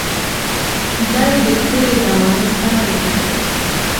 دای د تېرې زمانې سړی و.